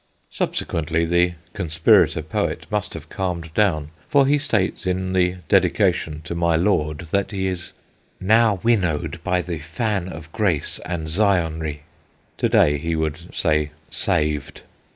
Subsequently the conspirator poet must have calmed down, for he states in the dedication to my lord that he is "now winnowed by the fan of grace and Zionry." To day he would say "saved."